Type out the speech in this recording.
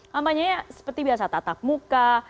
kampanye seperti biasa tatap muka